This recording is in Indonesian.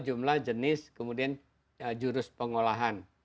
jumlah jenis kemudian jurus pengolahan